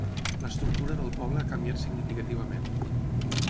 L'estructura del poble ha canviat significativament.